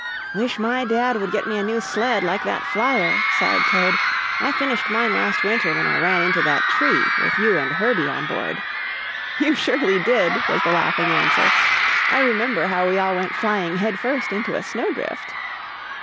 "Wish my dad would get me a new sled like that flyer," sighed Toad. "I finished mine last winter when I ran into that tree with you and Herbie on board." "You surely did," was the laughing answer. "I remember how we all went flying head first into a snow drift."